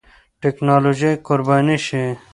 ټېکنالوژي قرباني شي.